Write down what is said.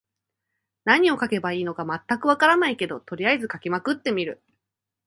何を書けばいいのか分からないけど、とりあえず書きまくってみる。